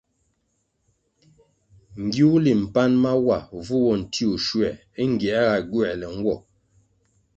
Ngiwuli mpan wa vu bo ntiwuh schuer é ngierga gywerle nwo.